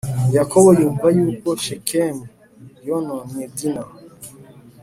Yakobo yumva yuko Shekemu yononnye Dina